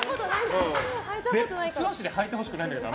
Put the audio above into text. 素足で履いてほしくないんだけど。